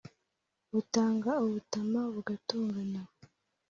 Butanga ubutama bugatongana